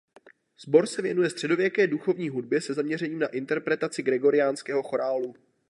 Sbor se věnuje středověké duchovní hudbě se zaměřením na interpretaci gregoriánského chorálu.